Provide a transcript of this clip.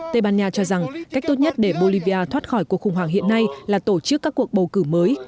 tây ban nha cho rằng cách tốt nhất để bolivia thoát khỏi cuộc khủng hoảng hiện nay là tổ chức các cuộc bầu cử mới